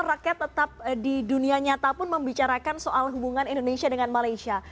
rakyat tetap di dunia nyata pun membicarakan soal hubungan indonesia dengan malaysia